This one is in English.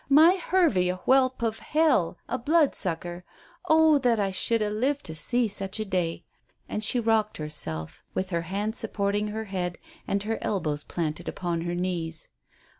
My Hervey a whelp of hell; a bloodsucker. Oh, that I should ha' lived to see such a day," and she rocked herself, with her hand supporting her head and her elbows planted upon her knees.